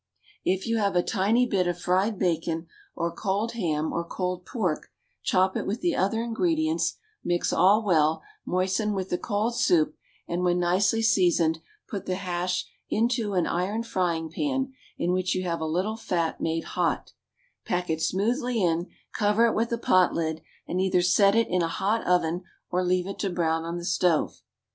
If you have a tiny bit of fried bacon or cold ham or cold pork, chop it with the other ingredients, mix all well, moisten with the cold soup, and, when nicely seasoned, put the hash into an iron frying pan, in which you have a little fat made hot; pack it smoothly in, cover it with a pot lid, and either set it in a hot oven, or leave it to brown on the stove.